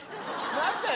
何だよ